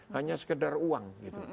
hanya sekedar uang